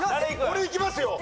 俺いきますよ！